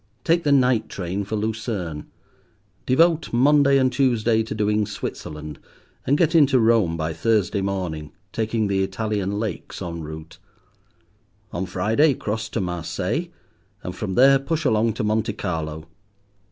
Take the night train for Lucerne. Devote Monday and Tuesday to doing Switzerland, and get into Rome by Thursday morning, taking the Italian lakes en route. On Friday cross to Marseilles, and from there push along to Monte Carlo.